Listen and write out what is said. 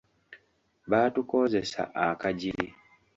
Baatukoozesa akajiri.